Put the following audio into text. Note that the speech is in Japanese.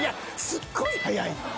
すっごい速いねん。